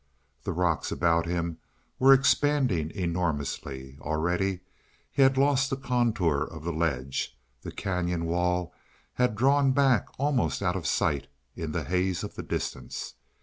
The rocks about him were expanding enormously. Already he had lost the contour of the ledge. The cañon wall had drawn back almost out of sight in the haze of the distance.